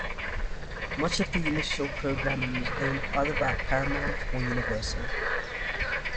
Much of the initial programming was owned either by Paramount or Universal.